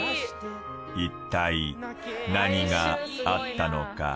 一体何があったのか？